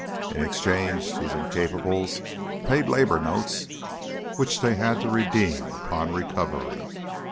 In exchange these incapables paid labour notes, which they had to redeem upon recovery.